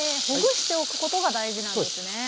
ほぐしておくことが大事なんですね。